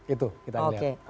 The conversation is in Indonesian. itu kita lihat